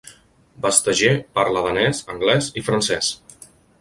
Vestager parla danès, anglès i francès.